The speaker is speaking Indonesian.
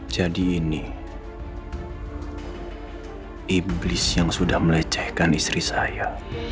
jadi ini iblis yang sudah melecehkan istri saya